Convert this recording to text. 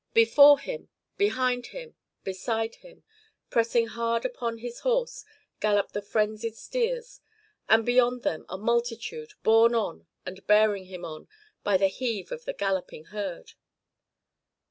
Before him, behind him, beside him, pressing hard upon his horse, galloped the frenzied steers, and beyond them a multitude, borne on, and bearing him on, by the heave of the galloping herd.